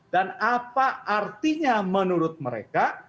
apa artinya menurut mereka